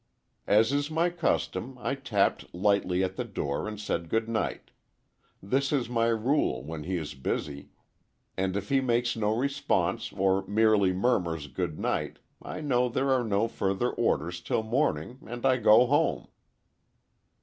"As is my custom, I tapped lightly at the door and said good night. This is my rule, when he is busy, and if he makes no response, or merely murmurs good night, I know there are no further orders till morning, and I go home."